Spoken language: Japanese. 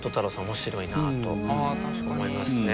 面白いなと思いますね。